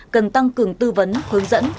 cần tăng cường tư vấn hướng dẫn